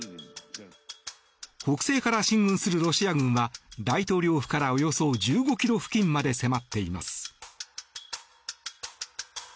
北西から進軍するロシア軍は大統領府からおよそ１５ｋｍ付近まで迫っています。